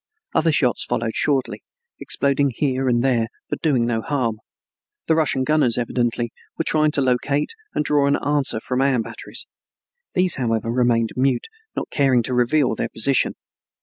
Other shots followed shortly, exploding here and there, but doing no harm. The Russian gunners evidently were trying to locate and draw an answer from our batteries. These, however, remained mute, not caring to reveal their position.